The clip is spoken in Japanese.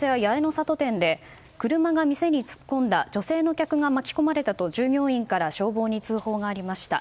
里店で車が店に突っ込んだ女性の客が巻き込まれたと従業員から消防に通報がありました。